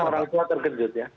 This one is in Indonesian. orang tua terkejut ya